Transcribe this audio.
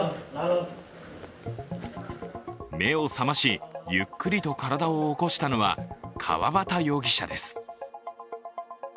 目を覚まし、ゆっくりと体を起こしたのは川端容疑者です。